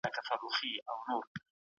اچول سو، هغه ته د «تښتېدلي» او «غله» لقبونه